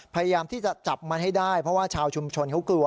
พยายามที่จะจับมันให้ได้เพราะว่าชาวชุมชนเขากลัว